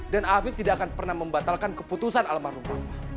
dan afif tidak akan pernah membatalkan keputusan almarhum papa